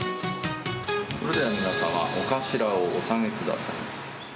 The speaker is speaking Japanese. それでは皆様、お頭をお下げください。